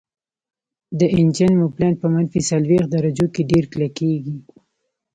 د انجن موبلاین په منفي څلوېښت درجو کې ډیر کلکیږي